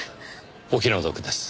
お気の毒です。